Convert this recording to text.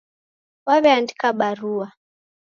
Waw'eandika barua